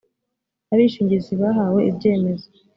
abishingizi bahawe ibyemezo